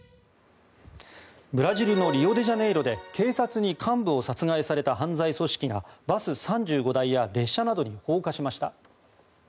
ブラジルのリオデジャネイロで警察に幹部を殺害された犯罪組織がバス３５台や列車などに放火しました。